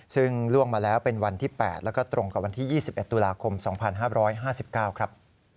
ซึ่งล่วงมาแล้วเป็นวันที่๘แล้วก็ตรงกับวันที่๒๑ตุลาคม๒๕๕๙ครับ